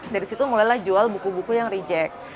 dari situ mulailah jual buku buku yang reject